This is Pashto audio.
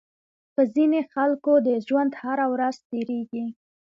په ځينې خلکو د ژوند هره ورځ تېرېږي.